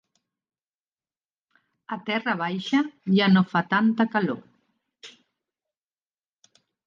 A Terra baixa ja no fa tanta calor.